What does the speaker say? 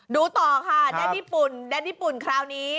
ดูต่อค่ะแดดนี่ปุ่นคราวนี้